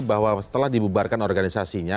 bahwa setelah dibubarkan organisasinya